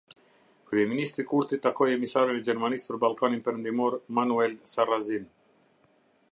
Kryeministri Kurti takoi emisarin e Gjermanisë për Ballkanin Perëndimor, Manuel Sarrazin.